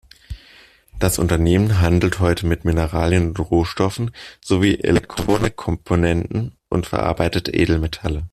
Das Unternehmen handelt heute mit Mineralien und Rohstoffen sowie Elektronikkomponenten und verarbeitet Edelmetalle.